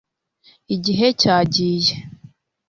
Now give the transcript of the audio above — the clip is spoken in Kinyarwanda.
igihe cyagiye